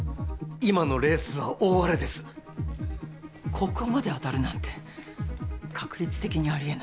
ここまで当たるなんて確率的にありえない。